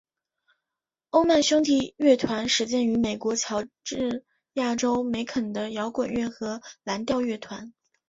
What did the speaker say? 欧曼兄弟乐团始建于美国乔治亚州梅肯的摇滚乐和蓝调乐团。